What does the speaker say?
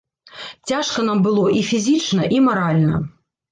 Цяжка нам было і фізічна і маральна.